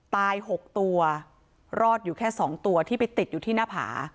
๖ตัวรอดอยู่แค่๒ตัวที่ไปติดอยู่ที่หน้าผา